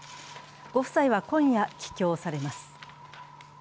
ご夫妻は今夜、帰京されます。